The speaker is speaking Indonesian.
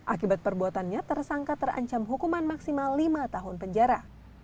akibat perbuatannya tersangka terancam hukuman maksimal lima tahun penjara